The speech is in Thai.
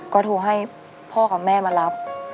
ก็โทรให้พ่อกับแม่มารับ